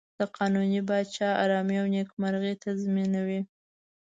د قانوني پاچا آرامي او نېکمرغي تضمینوي.